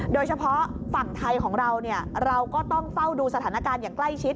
โดยเฉพาะฝั่งไทยของเราเราก็ต้องเฝ้าดูสถานการณ์อย่างใกล้ชิด